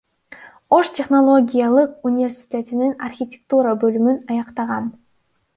Ош технологиялык университетинин архитектура бөлүмүн аяктагам.